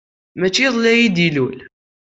Maci iḍelli ay d-ilul.